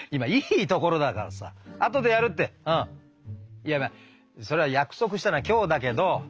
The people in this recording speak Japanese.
いやまあそれは約束したのは今日だけど。